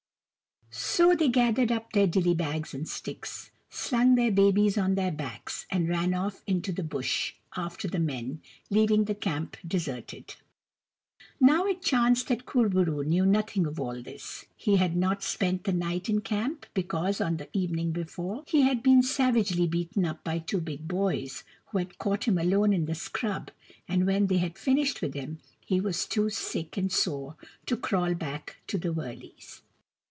So they gathered up their dilly bags and sticks, slung the babies on their backs, and ran off into the Bush after the men, leaving the camp deserted. Now, it chanced that Kur bo roo knew nothing of all this. He had not spent the night in camp, because, on the evening before, he had been sav agely beaten by two big boys, who had caught him alone in the scrub, and when they had finished with him he was too sick and sore to crawl back to the wurleys.